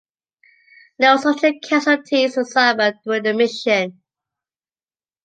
No soldier casualties were suffered during the mission.